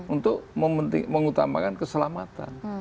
untuk mengutamakan keselamatan